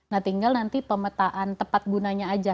nah tinggal nanti pemetaan tepat gunanya aja